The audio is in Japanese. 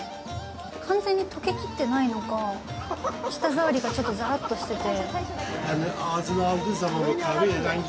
完全に溶けきってないのか舌ざわりがちょっとざらっとしてて。